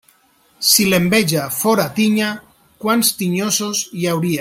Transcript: Si l'enveja fóra tinya, quants tinyosos hi hauria.